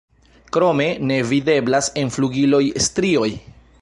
Krome ne videblas en flugiloj strioj.